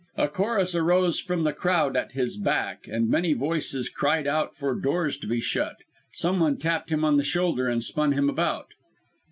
A chorus arose from the crowd at his back; and many voices cried out for doors to be shut. Someone tapped him on the shoulder, and spun him about.